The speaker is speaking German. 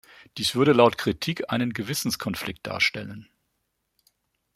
Dies würde laut Kritik einen Gewissenskonflikt darstellen.